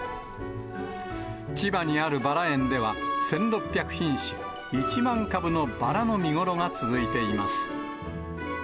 千葉にあるバラ園では、１６００品種１万株のバラの見頃が続いています。